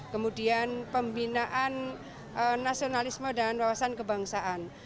kemudian pembinaan nasionalisme dan wawasan kebangsaan